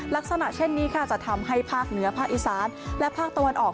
ลักษณะเช่นนี้ค่ะจะทำให้ภาคเหนือภาคอีสานและภาคตะวันออก